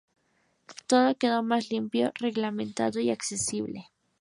Todo quedó más limpio, reglamentado y accesible.